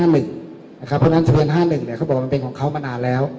เพราะฉะนั้นจำนวน๕๑เขาบอกว่ามันเป็นของเขามานานแล้ว